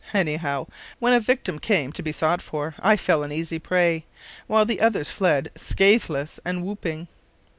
Anyhow, when a victim came to be sought for, I fell an easy prey, while the others fled scatheless and whooping.